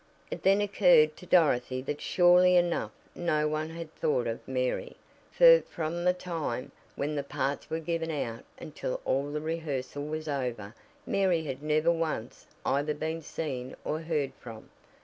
It then occurred to Dorothy that surely enough no one had thought of Mary, for from the time when the parts were given out until all the rehearsal was over Mary had never once either been seen or heard from.